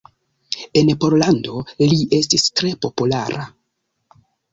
En Pollando li estis tre populara.